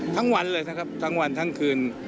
ทั้งวันเลยนะครับทั้งวันทั้งคืน